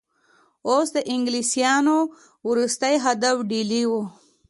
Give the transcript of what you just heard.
اوس د انګلیسیانو وروستی هدف ډهلی وو.